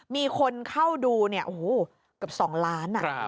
มีคนเข้าดูเนี่ยโอ้โหเกือบ๒ล้าน